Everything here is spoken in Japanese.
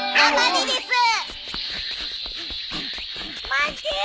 待ってよ！